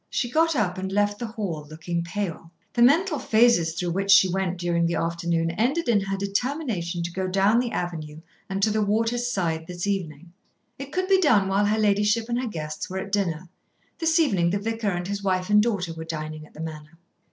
She got up and left the hall, looking pale. The mental phases through which she went during the afternoon ended in her determination to go down the avenue and to the water's side this evening. It could be done while her ladyship and her guests were at dinner. This evening the Vicar and his wife and daughter were dining at the Manor.